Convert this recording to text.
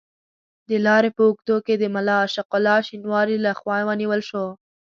د لارې په اوږدو کې د ملا عاشق الله شینواري له خوا ونیول شو.